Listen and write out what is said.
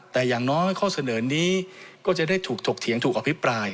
แต่อย่างน้อยข้อเสนอนี้ก็จะได้ถูกถกเถียงถูกอภิปราย